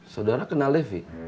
saudara kenal devi